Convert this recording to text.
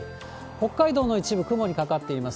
北海道の一部、雲にかかっています。